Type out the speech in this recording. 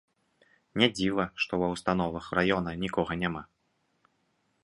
Не дзіва, што ва ўстановах раёна нікога няма.